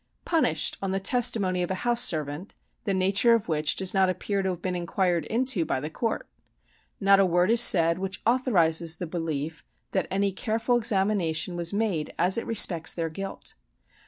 Punished on the testimony of a house servant, the nature of which does not appear to have been inquired into by the court! Not a word is said which authorizes the belief that any careful examination was made, as it respects their guilt.